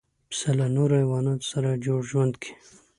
پسه له نورو حیواناتو سره جوړ ژوند کوي.